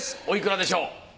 おいくらでしょう？